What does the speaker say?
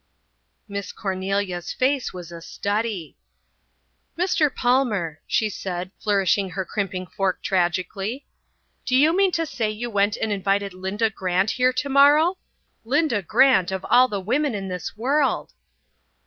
Miss Cornelia's face was a study. "Mr. Palmer," she said, flourishing her crimping fork tragically, "do you mean to say you went and invited Linda Grant here tomorrow? Linda Grant, of all women in this world!"